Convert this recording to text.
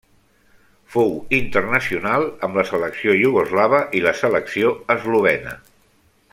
Fou internacional amb la selecció iugoslava i la selecció eslovena.